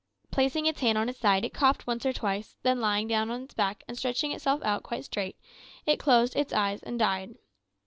Placing its hand on its side, it coughed once or twice, then lying down on its back and stretching itself out quite straight, it closed its eyes and died.